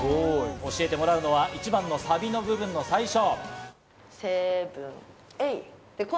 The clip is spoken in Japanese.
教えてもらうのは１番のサビの部分の最初。